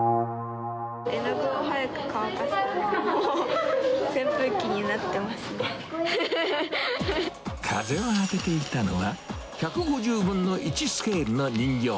絵の具を早く乾かすための扇風を当てていたのは、１５０分の１スケールの人形。